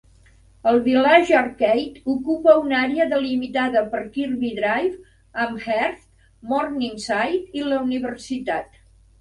El Village Arcade ocupa una àrea delimitada per Kirby Drive, Amherst, Morningside i la Universitat.